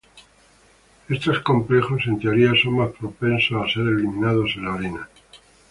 Estos complejos, en teoría, son más propensos a ser eliminados en la orina.